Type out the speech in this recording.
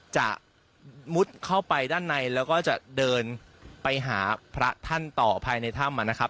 จะมุดเข้าไปด้านในแล้วก็จะเดินไปหาพระท่านต่อภายในถ้ำนะครับ